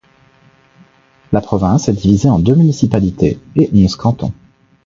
La province est divisée en deux municipalités et onze cantons.